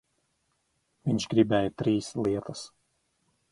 Viņš gribēja trīs lietas.